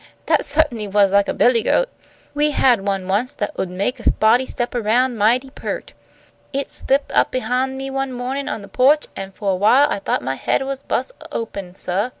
"That sut'n'y was like a billy goat. We had one once that 'ud make a body step around mighty peart. It slip up behine me one mawnin' on the poach, an' fo' awhile I thought my haid was buss open suah.